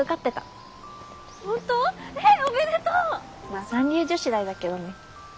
まあ三流女子大だけどね。